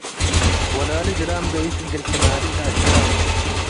ወላሊ ዝላም ትገይሰ እግል ትማልእ ለአሸራም